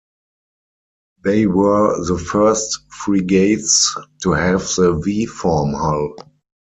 They were the first frigates to have the "V" form hull.